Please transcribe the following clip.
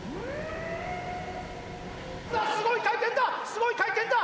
すごい回転だ！